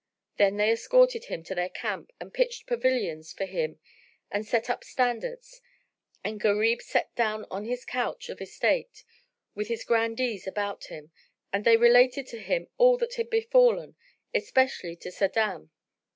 Then they escorted him to their camp and pitched pavilions for him and set up standards; and Gharib sat down on his couch of estate, with his Grandees about him; and they related to him all that had befallen, especially to Sa'adan.